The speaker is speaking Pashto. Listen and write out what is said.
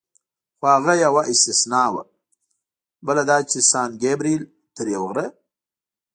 خو هغه یوه استثنا وه، بله دا چې سان ګبرېل تر یو غره.